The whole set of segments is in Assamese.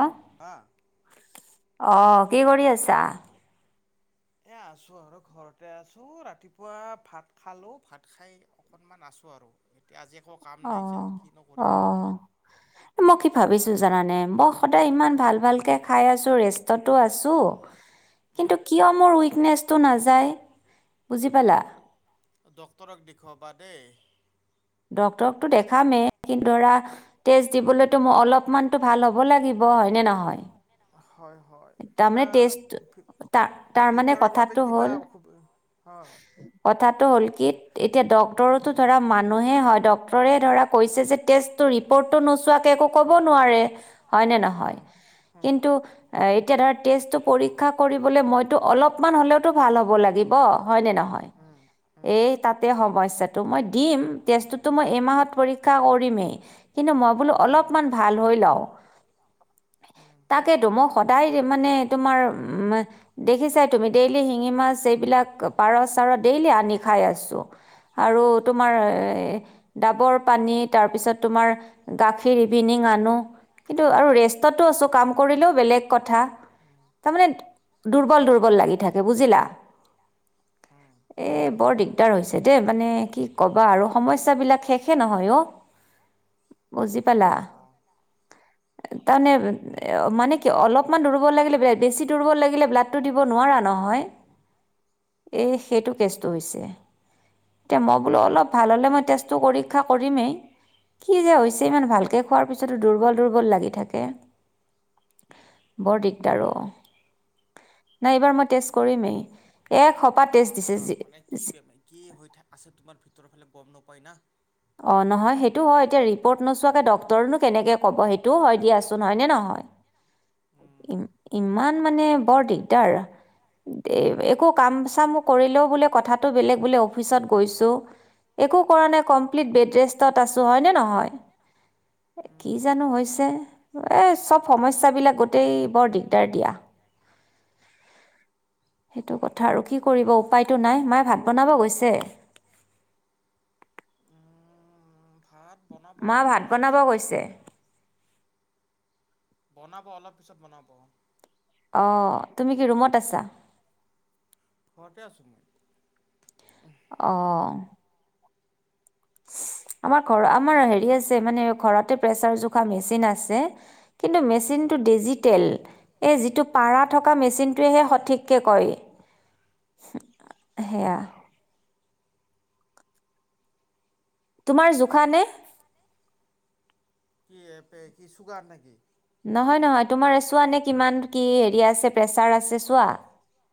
অ হা অ কি কৰি আছা? এ আছো আৰু ঘৰতে আছো ৰাতিপুৱা ভাত খালো ভাত খাই অকনমান আছো আৰু এতিয়া আজি একো কাম নাই যে কিনো অহ কৰিম অহ মই কি? ভাবিছো জানানে মই সদায় ইমান ভাল ভালকে খাই আছো ৰেষ্টতো আছো কিন্তু উম কিয় মোৰ উইকনেছ। ক নাযায় বুজি পালা? ড্ক্তৰক দেখুৱাবা দেই ড্টৰকটো দেখামেই কিন্ত ধৰা ষ্ট দিবলৈতো অলপমানত ভাল হ'ব লাগিব হয় ন নহয় হয় হয় তাৰমানে কিবা টেষ্ট তাৰ তাৰমানে ভিতৰ বাবে কথাটো কিবা হ'ল অসুবি হয় কথাটো হ'ল কি এতিয়া ড্টৰো ধৰা মানুহে হয় ড্টৰে ধৰা কৈছে যে টেষ্টটো ৰিপৰ্টটো নোচোৱাকে একো ন উম এতিয়া ধ তেষ্টটো পৰীক্ষা বোলে মইতো অলপমান হ'লেওতো ভাল হ'ব লাগিব। ন ই উম উম এমাহত পৰীক্ষা কৰিমেই কিন্তু মই বোলো উম উম উম অলপমান ভাল হৈ লও তাকেতো মই তাই মানে তোমাৰ উ দেখিছাই তুমি ডেইলি শিঙি মাছ এইবিলাক পাৰ চাৰ ডেইলি আনি খাই আছো। আৰু তোমাৰ ডাবৰ পানী তাৰপিছত তোমাৰ গাখীৰ ইভিনিং আনো কিন্তু আৰু ৰেষ্টতো আছোঁ কাম কৰিলেও বেলেগ কথা তাৰমানে দুৰ্বল দুৰ্বল লাগি থাকে বুজিলা। উম উম উম এ বৰ দিগদাৰ হৈছে দে মানে কি ক'বা আৰু সমস্যাবিলাক শেষে নহয় অ বুজি পালা অ তাৰমানে মানে কি অলপ অকণমান দুৰ্বল লাগিলে বেছি দুৰ্বল লাগিলে ব্লাডটো দিব নোৱাৰা নহয় এ সেইটো কেছটো হৈছে অলপ ভাল হলে মই তেজটো পৰীক্ষা কৰিমে, কি যে হৈছে ভালকৈ কৰা খোৱাৰ পিছটো দুৰ্বল দুৰ্বল লাগি থাকে। বৰডিক দাৰ ঔ নাই এইবাৰ মই টেষ্ট কৰিমেই এক সোপা টেষ্ট কৰা দিছে কৰা মানে কি বেমাৰ কি হৈ আছে তোমাৰ ভিতৰৰ ফালে গম নাপাই ন অ নহয় সেইটো হয় এতিয়া ৰিপৰ্ট নোচোৱাকে ডক্তৰনো কেনেকে ক'ব সেইটোও হয় দিয়াচোন হয়নে নহয় ইমান মানে বৰ দিগদাৰ একো কাম চাম কৰিলে বোলে কথাতো বোলে অফিচত গৈছোঁ, একো কৰা নাই। কম। দেত্ৰেষ্টাৰেষ্টত আছোঁ হয় নে নহয়, কি জানোঁ হৈছে, এইচব সমস্যাবিলাক গোটেই বৰ দিগদাৰ দিয়া। সেইটো কথা আৰু কি কৰিব উপায়টো নাই মায়ে ভাত বনাব গৈছে ভাত বনাব মা অলপ ভাত পিছত বনাব চাগে। গৈছে বনাব অলপ পিছত বনাব অ তুমি কি ৰুমত আছা ঘৰতে আছো মই আহ। আমাৰ ঘৰ আমাৰ হেৰি আছে মানে ঘৰতে প্ৰেচাৰ জোখাৰ মেচিন আছে কিন্তু আচ্ছা মেচিনটো ডিজিটেল এই যিটো পাৰা থকা মেচিনটোৱেহে সঠিককৈ কয় সেয়া। তোমাৰ জোখা নে কি এ কি চুগাৰ নেকি নহয় নহয় তোমাৰ চোৱা নে কিমান কি হেৰি আছে প্ৰেছাৰ আছে চোৱা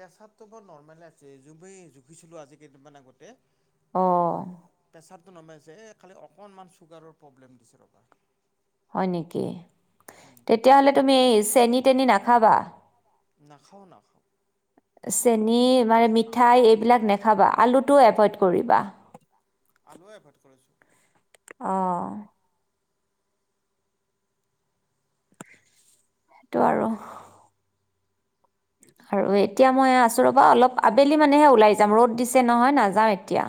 পেচাতো বৰ নৰ্মেল আছে জুখিছিলো আজি কেইদিনমান আগতে অ নমাইছে খালি অকনমান চুগাৰৰ প্ৰব্লেম দিছে ৰবা হয় নেকি তেতিয়াহলে তুমি এই চেনি তেনি নাখাবা নাখাওঁ নাখাওঁ চেনি মানে নাখাওঁ নাখাওঁ মিঠাই দিয়া এইবিলাক নেখাবা আলুটো এভইড কৰিবা আলুৱে এভৰ্ড কৰিছো। আহ সেইটো আৰু আৰু এতিয়া মই আছোঁ ৰ'বা অলপ আবেলি মানেহে ওলাই যাম ৰ'দ দিছে নহয় নাযাওঁ এতিয়া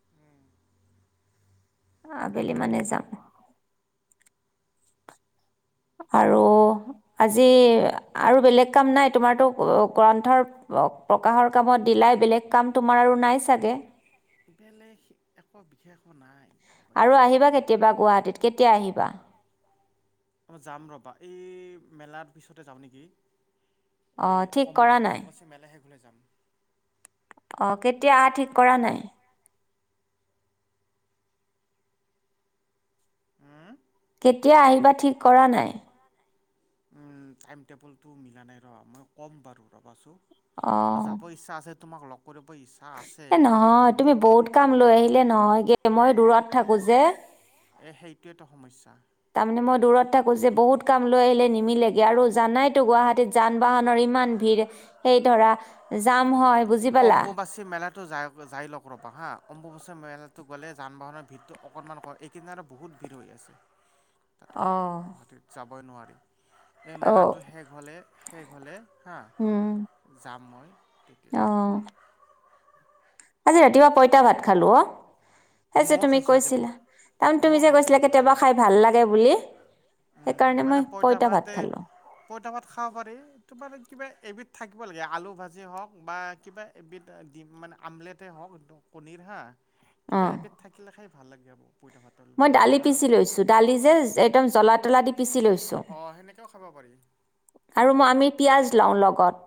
কৰিছোঁ। অ আবেলি মে যাম। আৰু আজি আৰু বেলেগ কাম নাই তোমাৰতো গ্ৰন্থৰ প্ৰকাশৰ কামত দিলাই বেলেগ কাম তোমাৰ আৰু নাই চাগে বেলেগ একো বিশেষ নাই ৰ'বা আৰু এতিয়া আহিবা কেতিয়াবা গুৱাহাটীত কেতিয়া আহিবা আ যাম ৰবা এই মেলাৰ পিছতে যাম নেকি এই অঁ ঠিক অম্ব কৰা নাই অম্বুবাচী মেলা সে খুল অ কেতিয়া আ ঠিক কৰা নাই। উম কেতিয়া আহিবা ঠিক। কৰা নাই। উম টাইম টেবুলতটো মিলা নাই ৰবা মই ক'ম বাৰু ৰবাচো। যাব ইচ্ছা আছে। তোমাক লগ কৰিব ইচ্ছা আছে এ কিন্তু নহয় তুমি সেই বহুত কাম লৈ আহিলে নহয়গে মই দূৰত থাকোঁ যে এই সেইটোোৱ এটা সমস্যা তাৰমানে মই দূৰত থাকো যে বহুত কাম লৈ আহিলে নিমিলেগে আৰু জানাইতো গুৱাহাটীত যান বাহনৰ ইমান ভিৰ সেই ধৰা জাম হয়। বুজি পালা অম্বুবাচী মেলাতো য যাই লওক ৰ'বা হা অম্বুবাচী মেলাত গ'লে যান বাহনৰ ভিৰটো অকনমান ক এইখিনি আৰু বহুত ভিৰ হৈ আছে আহ হয়ই নোৱাৰি। এই মেলাটো শেষ হ'লে শেষ হলে। হা যাম মই তেতিয়া আহ। আজি ৰাতিপুৱা পইতা ভাত খালো অ সেই যে মই তুমি খাইছো আজি প কৈছিলা তাৰমানে তুমি মইও যে খাইছো আজি কৈছিলা পইতা কেতিয়াবা ভাত খাই ভাল লাগে বুলি উম সেইকাৰণে মই মানে পইতা ভাত খালো পইতা ভাত খাব পাৰি তোমাৰ কিবা এবিধ থাকিব লাগে আলু ভাজি হওক বা কিবা এবিধ দিম মানে আমলেটে হওক কণীৰ হা। অ কিবা এবিধ থাকিলে খাই ভাল লাগে আাবোৰ মই দালি পিচি লৈছো দালি যে একদম জ্বলা তলা দি। পিচি লৈছো অ সেনেকেও খাব পাৰি। আৰু মই আমি পিয়াজ লওঁ লগত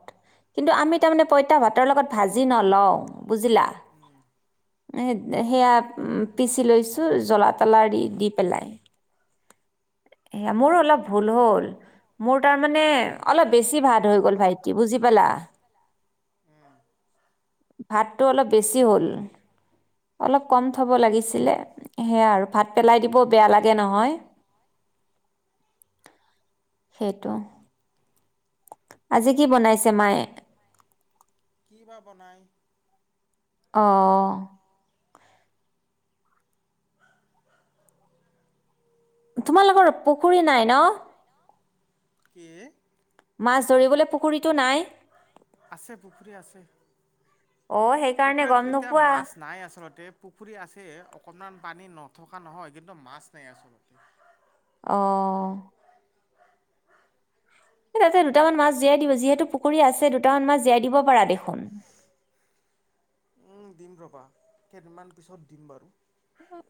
কিন্তু আমি তাৰমানে পঁইতা ভাতৰ লগত ভাজি নলও বুজিলা। মানে অলপ বেছি ভাত হৈ গ'ল ভাইটি বুজি পালা ভাতটো অলপ বেছি হ'ল অলপ কম থ'ব লাগিছিলে সেয়া আৰু ভাত পেলাই দিবও বেয়া লাগে নহয় সেইটো আজি কি বনাইছে মায়ে? কি বা বনায় আহ। তোমালোকৰ পুখুৰী নাই ন কি মাছ ধৰিবলৈ পুখুৰীটো নাই? আছে পুখুৰী আছে অঁ সেইকাৰণে গম পুখুৰীত এতিয়া নোপোৱা মাছ নাই আচলতে পুখুৰী আছে অকনমান পানী নথকা নহয় কিন্তু মাছ নাই আচলতে আহ তাতে দুটামান মাছ জীয়াই দিব যিহেতু পুখুৰী আছে দুটামান মাছ জীয়াই দিব পাৰা দেখোন, উম দিম ৰবা কেইদিমান পিছত দিম বাৰু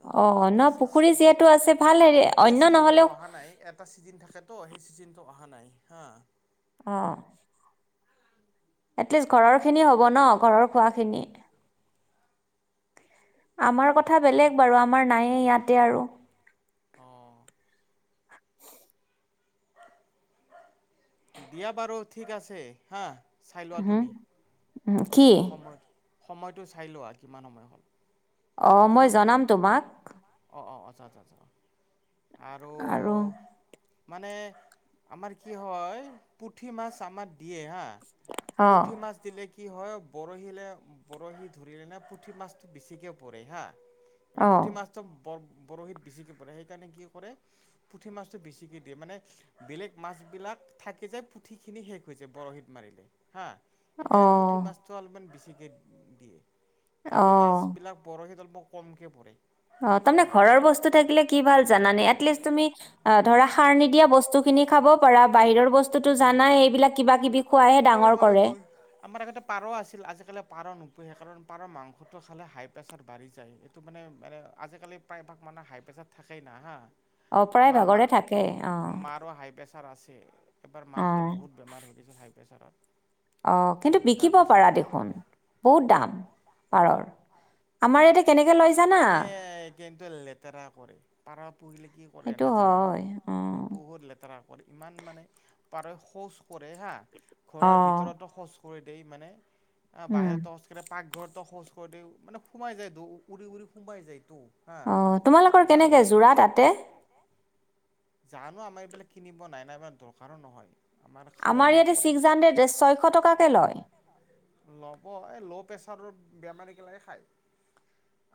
অ ন এতিয়া পুখুৰী এতিয়া যিহেতু আছে ভাল হেৰি এতিয়া অন্য নহ'লেও চিজনটো অহা নাই এটা চিজন থাকেতো সেই চিজনটো অহা। নাই হা অ এটলিষ্ট ঘৰৰ খিনি হ'ব ন ঘৰৰ খোৱাখিনি আমাৰ কথা, কথা বেলেগ বাৰু আমাৰ নায়য়েই ইয়াত এয়া আৰু আহ দিয়া বাৰু ঠিক আছে হা। চাই লোৱা উহু, তুমি কি? সময়টো সময়টো চাই লোৱা কিমান সময় হ'ল অ মই জনাম তোমাক জ জ জ, আৰু মানে আমাৰ কি হয় পুঠি মাছ আমাৰ দিয়ে হা অ পুঠি মাছ দিলে কি? কি হয় বৰহিলৈ বৰশী ধৰিলে নে পুঠি মাছটো বেছিকৈ পৰে হা মানে অ পুঠি মাছটো বৰ বৰশীত বেছিকে পৰে সেইকাৰণে কি কৰে পুঠি মাছটো বেছিকে দিয়ে মানে বেলেগ মাছ বিলাক থাকে যায় পুঠি খিনি শেষ হৈ যায় বৰশীত মাৰিলে হা অ সেইকাৰণে পুঠি মাছটো অলপমানেছি টিকেট দিয়ে। অ বাকী মাছ বিলাক ৰৰহিত অল্প কমকে পৰে অ তাৰমানে হা ঘৰৰ বস্তু থাকিলে কি ভাল তুমি ধ সাৰ নিয় বস্তু খিনি খাব পাৰা বাহৰ হয় হয় ডাঙৰ হয় কৰে হয় আমাৰ আগতে পাৰ আছিল আজিকালি পাৰ নোপুহেই কাৰণ পাৰৰ মাংসটো খালে হাই প্ৰেছাৰ বাঢ়ি যায় এইটো মানে মান আজিকালি প্ৰায়ভাগ মানুে হাই প্ৰেছাৰ থাকেই নাই হা অ প্ৰায় ভাগৰে থাকে অ চাৰ আছে এবাৰ মাততো বহুত বেমাৰ হৈ গৈছিল হাই প্ৰেছাৰত অ কিন্তু বিকিব তাৰপিছত পাৰা দেখোন বহুত দাম পাৰৰ। আমাৰ ইয়াতে কেনেকে লয়। জানা এ কিন্তু লেতেৰা কৰে পাৰ পুহিলে কি কৰে সেইটো ন জানানা হয় অঁ বহুত লেতেৰা কৰে ইমান মানে পাৰে শৌচ কৰে হা। ঘৰৰ অঁ ভিতৰতো কৰি দ মানে অ উম বাহিৰতো অস্কাৰৰে পাকঘৰত খোজ কৰি মানে সোমাই যায় উৰি উৰি সোবাই যায় তো। অ তোমালোকৰ কেনেকে যোৰা তাতে জানো আমাৰ এইবিলাক কিনিব নাই নাই দৰকাৰো নহয় খোৱাও আমাৰ ইয়াতে নপৰে ছিক্স হাণ্ড্ৰেড ছয়শ টকাকে লয় সচৰ বেমাৰীগিলাক খায়।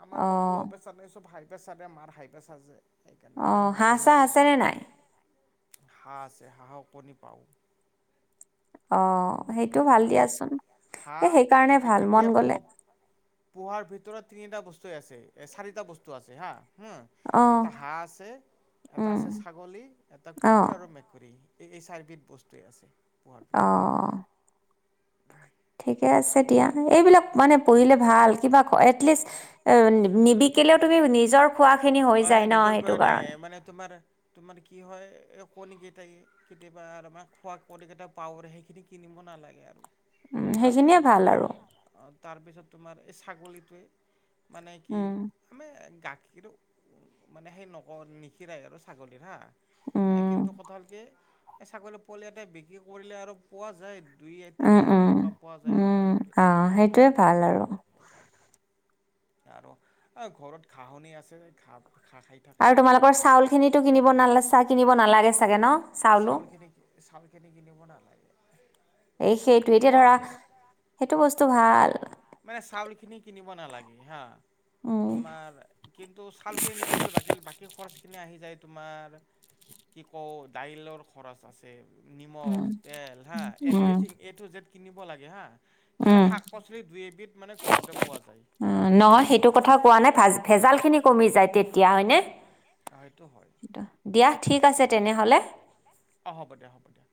আমাৰ ঘৰত অঁ ল' প্ৰেছাৰ ন চব ভাই। হাইপা চাদে মাৰ হাইফা চাজ যে। সেইকাৰণে অ এইবিলাক হাঁহ নোপোহো চাঁ আৰু আছে নে নাই হাঁহ আছে হাঁহক কণী পাও অঁ সেইটো ভাল দিয়াচোন এ হাঁহ সেইকাৰণে এ ভাল এতিয়া মন পোহ গলে পোহাৰ ভিতৰত তিনিটা বস্তুৱেইে আছে চাৰিটা বস্তু আছে হা হু অঁ এটা হাঁহ আছে এটা উম আছে ছাগলী এটা অঁ কুকুৰ আৰু মেকুৰী এই এই চাৰ্বধ বস্তুৱেই আছে পোহাৰ ভিতৰত আহ ঠিকে আছে দিয়া এইবিলাক মানে পঢ়িলে ভাল কিব এলিষ্ট নিবি। শিকিলেও তুমি নিজৰ খোৱাখিনি হৈ অ সেই যায় ন নিজৰ সেইটো কাৰণে মানে তোমাৰ তোমাৰ কি হয় এই কণীকেইটাই কেতিয়াবা আৰু আম খোৱা কণীকেইটা পাৰে সেইখিনি কিনিব নালাগে আৰু উম সেইখিনিয়ে তাৰপিছত ভাল তোমাৰ আৰু তাৰপিছত তোমাৰ এই ছাগলীটোৱে মানে কি উম আমে গ কিন্তু মানে সেই নগ নিশিৰাই আৰু ছাগলীৰ হা আহ উম কিন্তু কথাালক এই ছাগলী পোৱালি এতে বিক্ৰী কৰিলে আৰু পোৱা যায়। দুই তিনি উম হাজাৰ উম টকা পোৱা যায় আৰু উম সেইটোৱে আহ সেইটয়ে ভাল আৰু আৰু ঘৰত ঘাহনি আছে খায় থাক আৰু তোমালোকৰ চাউল খিনিতো কিনিব নালা চাহ কিনিব নালাগে চাগে ন চাউলো চখিন চাউালখিনি কিিিনিব নালাগ এই সেইটো এতিয়া ধৰা সেইটো বস্তু ভাল মানে চাউল খিনি কিনিব নালাগে হা উম তোমাৰ কিন্তু চাউল খিনি নিকিনিলো বাকী বাকী খৰচ খিনি আহি যায় তোমাৰ কি কওঁ দাইলৰ খৰচ আছে নিমখ উম তেল হা উম এভ্ৰথিং এ টু জেড কিন [unintelligible] লাগে হা খালি শাক পাচলি দুই এবিধ মানে ঘৰতে পোৱা যায় অ হা নহয় সেইটো কথা কোৱা নাই ভ ভেজাল খিনি কমি যায় তেতিয়া হয়নে সেইটো হয় দিয়া ঠিক আছে তেনেহ'লে অ হ'ব দে হ'ব দে